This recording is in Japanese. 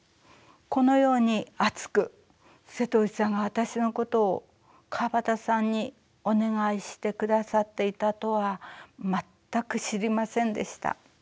このように熱く瀬戸内さんが私のことを川端さんにお願いしてくださっていたとは全く知りませんでした。